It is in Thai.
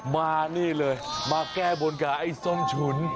มานี่เลยมาแก้บนกับไอ้ส้มฉุน